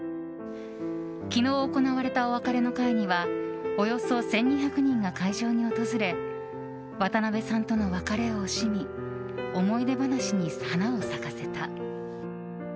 昨日行われたお別れの会にはおよそ１２００人が会場に訪れ渡辺さんとの別れを惜しみ思い出話に花を咲かせた。